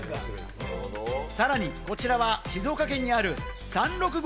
さらに、こちらは静岡県にある３６５